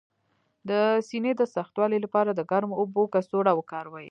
د سینې د سختوالي لپاره د ګرمو اوبو کڅوړه وکاروئ